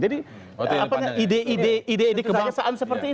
jadi ide ide kebangsaan seperti itu